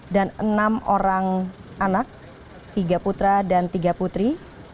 dan enam orang anak tiga putra dan tiga putri